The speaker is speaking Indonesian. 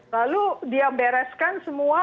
lalu dia bereskan semua